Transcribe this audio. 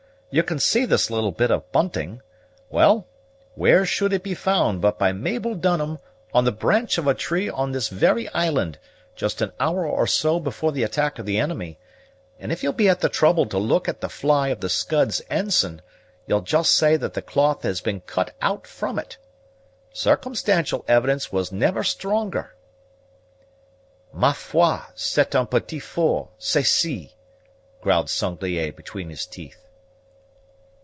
Ye can see this little bit of bunting; well, where should it be found but by Mabel Dunham, on the branch of a tree on this very island, just an hour or so before the attack of the enemy; and if ye'll be at the trouble to look at the fly of the Scud's ensign, ye'll just say that the cloth has been cut from out it. Circumstantial evidence was never stronger." "Ma foi, c'est un peu fort, ceci," growled Sanglier between his teeth.